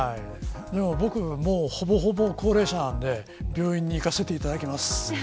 僕は、ほぼほぼ高齢者で病院に行かせていただきます。